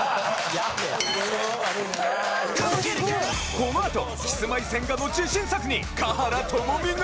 このあとキスマイ千賀の自信作に華原朋美が！